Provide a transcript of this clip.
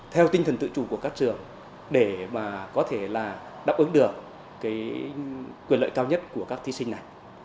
theo tinh thần tự chủ của các trường để mà có thể là đáp ứng được quyền lợi cao nhất của các thí sinh này